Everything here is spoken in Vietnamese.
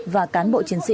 và cán bộ chiến sĩ